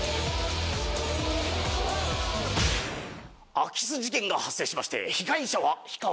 空き巣事件が発生しまして被害者は。